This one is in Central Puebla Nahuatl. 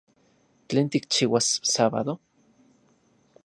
¿Tlen tikchiuas sábado?